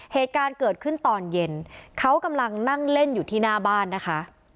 เหตุการณ์เกิดขึ้นตอนเย็นเขากำลังนั่งเล่นอยู่ที่หน้าบ้านนะคะ